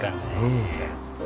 うん。